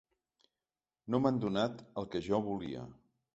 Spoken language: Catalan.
No m’han donat el que jo volia.